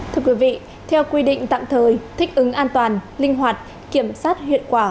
thưa quý vị theo quy định tạm thời thích ứng an toàn linh hoạt kiểm soát hiệu quả